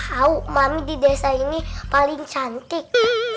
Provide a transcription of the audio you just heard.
tahu mami di desa ini paling cantik